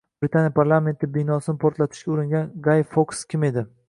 Britaniya parlamenti binosini portlatishga uringan Gay Foks kim edi?